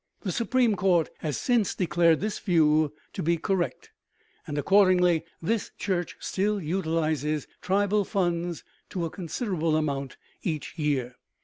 The Supreme Court has since declared this view to be correct, and accordingly this church still utilizes tribal funds to a considerable amount each year.